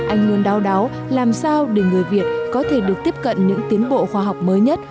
anh luôn đau đáu làm sao để người việt có thể được tiếp cận những tiến bộ khoa học mới nhất